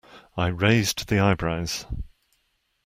I raised the eyebrows.